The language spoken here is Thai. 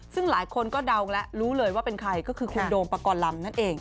ซึ่งหลายคนก็เดาแล้วรู้เลยว่าเป็นใครก็คือคุณโดมปกรณ์ลำนั่นเอง